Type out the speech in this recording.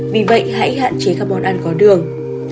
vì vậy hãy hạn chế các món ăn có đường